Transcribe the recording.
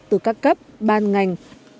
từ các cấp ban ngành